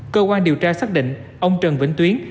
cơ quan điều tra xác định ông trần vĩnh tuyến